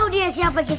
masalah besar banget sih